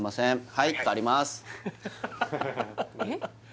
はい代わります